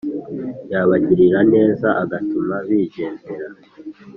yabagirira neza agatuma bigendera